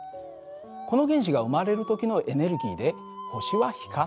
この原子が生まれる時のエネルギーで星は光っていたのです。